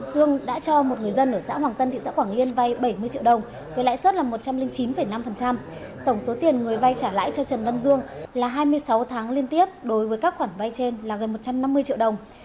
dương đã cho một người dân ở xã hoàng tân thị xã quảng yên vay bảy mươi triệu đồng với lãi suất là một trăm linh chín năm tổng số tiền người vay trả lãi cho trần văn dương là hai mươi sáu tháng liên tiếp đối với các khoản vay trên là gần một trăm năm mươi triệu đồng